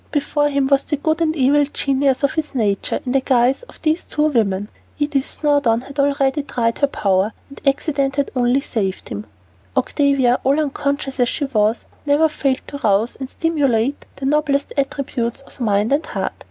Before him was the good and evil genius of his nature in the guise of those two women. Edith Snowdon had already tried her power, and accident only had saved him. Octavia, all unconscious as she was, never failed to rouse and stimulate the noblest attributes of mind and heart.